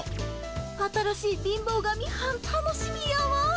新しい貧乏神はん楽しみやわ。